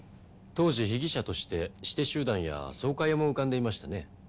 当時被疑者として仕手集団や総会屋も浮かんでいましたね。